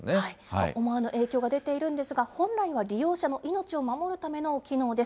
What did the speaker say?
思わぬ影響が出ているんですが、本来は利用者の命を守るための機能です。